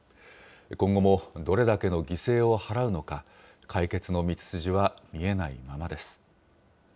今後もどれだけの犠牲を払うのか、解決の道筋は見えないままです。